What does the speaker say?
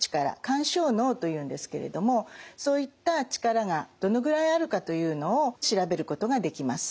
緩衝能というんですけれどもそういった力がどのぐらいあるかというのを調べることができます。